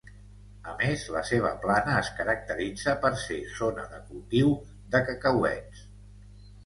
A més, la seva plana es caracteritza per ser zona de cultiu de cacauets.